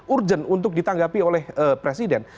urgent untuk ditanggapi oleh presiden